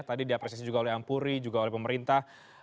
tadi diapresiasi juga oleh ampuri juga oleh pemerintah